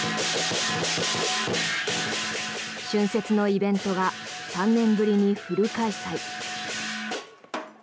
春節のイベントが３年ぶりにフル開催。